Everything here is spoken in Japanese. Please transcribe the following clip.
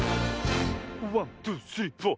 ワントゥスリーフォー。